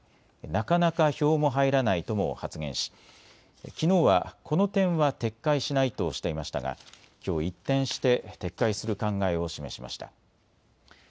なかなか票も入らないとも発言しきのうはこの点は撤回しないとしていましたが、きょう一転して撤回する考えを示しました。